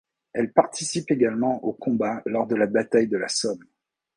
Elle participe également aux combats lors de la bataille de la Somme.